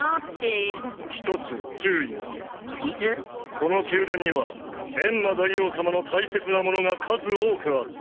この宮殿にはエンマ大王様の大切なものが数多くある。